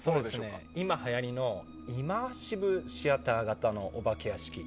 今はやりのイマーシブシアター型のお化け屋敷。